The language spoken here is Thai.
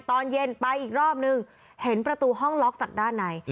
ตอนเย็นไปอีกรอบนึงเห็นประตูห้องล็อกจากด้านใน